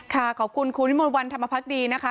ค่ะขอบคุณคุณวิมนต์วันทำมาพักดีนะคะ